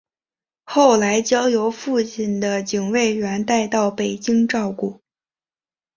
后来交由父亲的警卫员带到北京照顾。